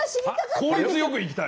効率よくいきたい。